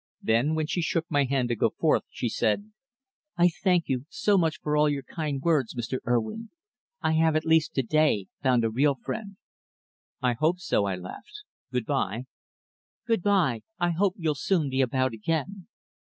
Then, when she shook my hand to go forth, she said "I thank you so much for all your kind words, Mr. Urwin. I have at least to day found a real friend." "I hope so," I laughed. "Good bye." "Good bye; I hope you'll soon be about again."